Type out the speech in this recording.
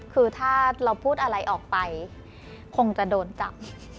คือถ้าเราพูดอะไรออกไปคงจะโดนจับ